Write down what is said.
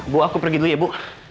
bu aku pergi dulu ya bu